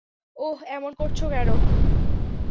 অহ, এমন করছ কেন!